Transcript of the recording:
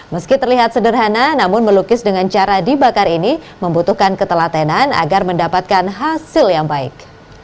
meski terlihat sederhana namun melukis dengan cara dibakar ini membutuhkan ketelatenan agar mendapatkan hasil yang baik